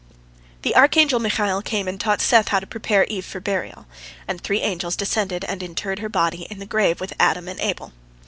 The archangel Michael came and taught Seth how to prepare Eve for burial, and three angels descended and interred her body in the grave with Adam and Abel.